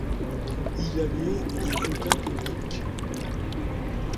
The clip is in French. Il a lieu au scrutin public.